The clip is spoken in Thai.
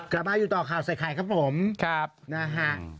กลับมาอยู่ต่อข่าวใส่ไข่ครับผมครับนะฮะ